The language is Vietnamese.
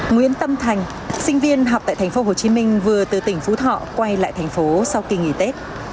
nguyễn tâm thành sinh viên học tại thành phố hồ chí minh vừa từ tỉnh phú thọ quay lại thành phố sau kỳ nghỉ tết